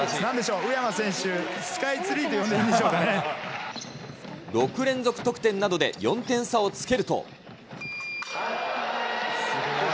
宇山選手、スカイツリーと呼６連続得点などで４点差をつけると。